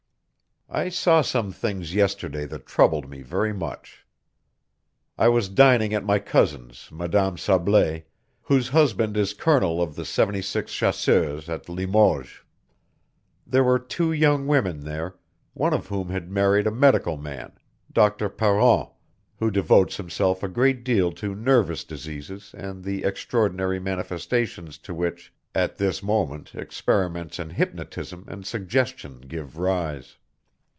_ I saw some things yesterday that troubled me very much. I was dining at my cousin's Madame Sablé, whose husband is colonel of the 76th Chasseurs at Limoges. There were two young women there, one of whom had married a medical man, Dr. Parent, who devotes himself a great deal to nervous diseases and the extraordinary manifestations to which at this moment experiments in hypnotism and suggestion give rise.